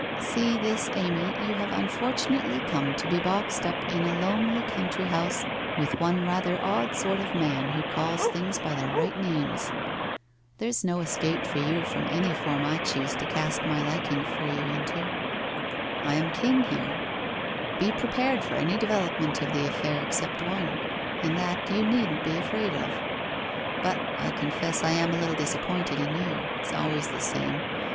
See this, Amy, you have unfortunately cotho to be boxed up in a lonely country house with one rather odd sort of man, who calls things by their right names. There's no escape for you from any form T choose to cast my liking for you into. I am 136 WHITE ROSE OF WEARY LEAF king here. Be prepared for any development of the affair except one, and that you needn't be afraid of. ... But I confess I am a little disappointed in you. It's always the same.